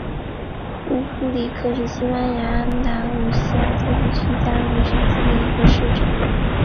乌夫里克是西班牙安达卢西亚自治区加的斯省的一个市镇。